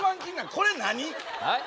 これ何？